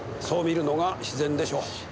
そう見るのが自然でしょう。